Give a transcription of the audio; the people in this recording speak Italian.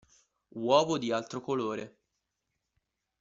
Uovo di altro colore.